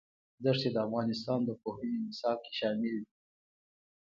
دښتې د افغانستان د پوهنې نصاب کې شامل دي.